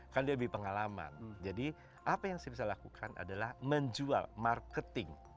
kan dia lebih pengalaman jadi apa yang saya bisa lakukan adalah menjual marketing